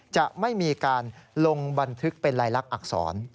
จะไม่มีการลงบันทึกเป็นลายลักษณอักษร